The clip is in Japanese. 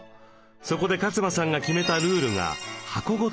そこで勝間さんが決めたルールが。